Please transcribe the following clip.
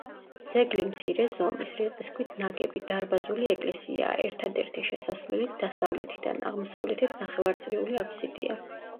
ძეგლი მცირე ზომის, რიყის ქვით ნაგები, დარბაზული ეკლესიაა, ერთადერთი შესასვლელით დასავლეთიდან აღმოსავლეთით ნახევარწრიული აფსიდია.